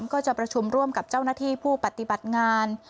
ก็จะประชุมร่วมกับเจ้าหน้าที่ผู้ปฏิบัติงาน